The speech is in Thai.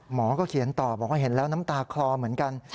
หมอก็เขียนต่อบอกว่าเห็นแล้วน้ำตาคลอเหมือนกัน